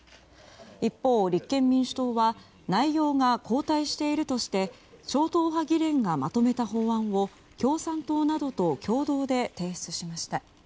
一方、立憲民主党は内容が後退しているとして超党派議連がまとめた法案を共産党などと共同で提出しました。